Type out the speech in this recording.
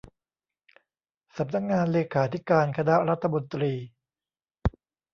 สำนักงานเลขาธิการคณะรัฐมนตรี